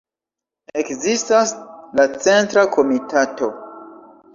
Ekzistas la Centra Komitato.